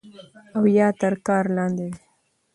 او يا تر كار لاندې دی